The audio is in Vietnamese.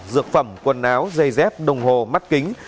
dược phẩm quần áo dây dép đồng hồ mắt kính